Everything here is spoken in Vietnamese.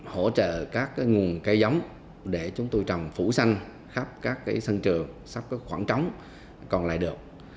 hỗ trợ các nguồn cây giống để chúng tôi trồng phủ xanh khắp các sân trường sắp khoảng trống còn lại được